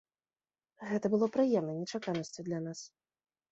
Гэта было прыемнай нечаканасцю для нас.